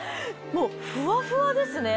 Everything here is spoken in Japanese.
もうふわふわですね。